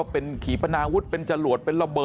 เป็นขีปนาวุธเป็นจรวดเป็นลอบเบอร์